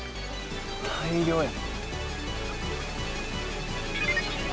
大量や。